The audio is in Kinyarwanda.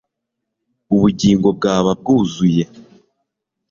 Ubugingo bwaba bwuzuye